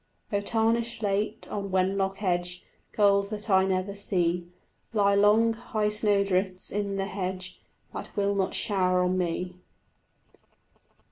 Oh tarnish late on Wenlock Edge, Gold that I never see; Lie long, high snowdrifts in the hedge That will not shower on me.